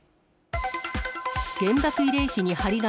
原爆慰霊碑に貼り紙。